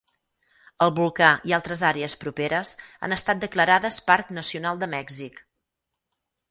El volcà i altres àrees properes han estat declarades Parc Nacional de Mèxic.